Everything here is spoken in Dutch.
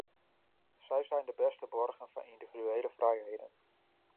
Zij zijn de beste borgen van individuele vrijheden.